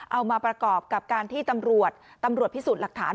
เอามาประกอบกับการที่ตำรวจตำรวจพิสูจน์หลักฐาน